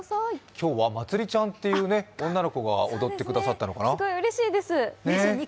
今日はまつりちゃんという女の子が踊ってくださったのかな。